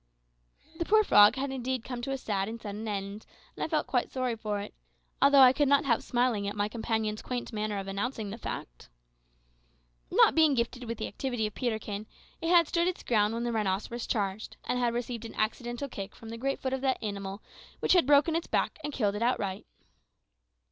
The poor frog had indeed come to a sad and sudden end, and I felt quite sorry for it, although I could not help smiling at my companion's quaint manner of announcing the fact. Not being gifted with the activity of Peterkin, it had stood its ground when the rhinoceros charged, and had received an accidental kick from the great foot of that animal which had broken its back and killed it outright.